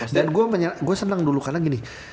dan gue seneng dulu karena gini